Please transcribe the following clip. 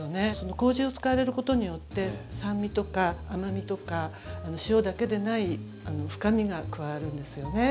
麹を使われることによって酸味とか甘みとか塩だけでない深みが加わるんですよね。